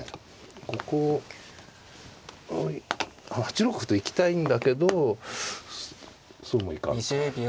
ここ８六歩と行きたいんだけどそうもいかんと。